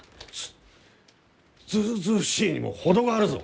ずずうずうしいにも程があるぞ！